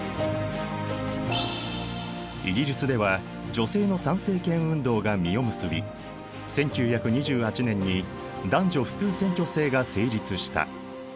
イギリスでは女性の参政権運動が実を結び１９２８年に男女普通選挙制が成立した。